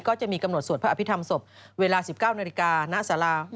ก็จะมีกำหนดสวดพระอภิษภัมษ์ศพเวลา๑๙นาฬิกาณศ๖